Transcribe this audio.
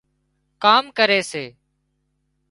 ڪام ڪري سي